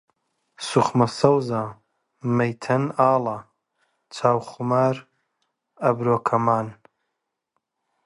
سوخمە سەوزە، مەیتەن ئاڵە، چاو خومار، ئەبرۆ کەمان